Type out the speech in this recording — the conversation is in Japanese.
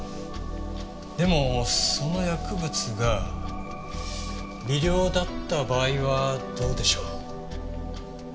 でもその薬物が微量だった場合はどうでしょう？